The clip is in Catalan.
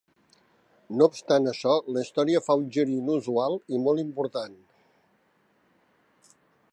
No obstant això, la història fa un gir inusual i molt important.